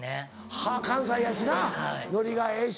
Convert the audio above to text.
はぁ関西やしなノリがええし。